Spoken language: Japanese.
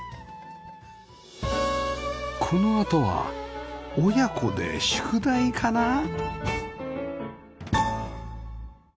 このあとは親子で宿題かな？